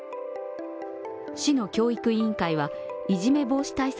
市の教育委員会はいじめ防止対策